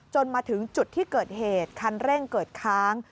มาถึงจุดที่เกิดเหตุคันเร่งเกิดค้าง